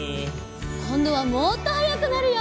こんどはもっとはやくなるよ！